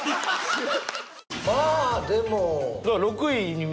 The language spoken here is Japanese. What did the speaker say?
まあでも。